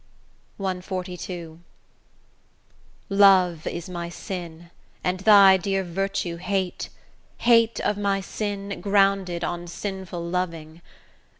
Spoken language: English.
CXLII Love is my sin, and thy dear virtue hate, Hate of my sin, grounded on sinful loving: O!